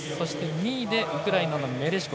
２位でウクライナのメレシコ。